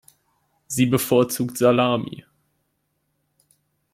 Sie bevorzugt Salami.